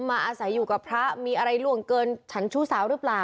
อาศัยอยู่กับพระมีอะไรล่วงเกินฉันชู้สาวหรือเปล่า